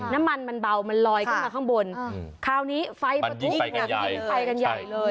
น้ำมันมันเบามันลอยขึ้นมาข้างบนคราวนี้ไฟประทุขึ้นไปกันใหญ่เลย